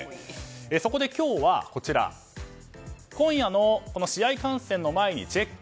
そこで今日は今夜の試合観戦の前にチェック。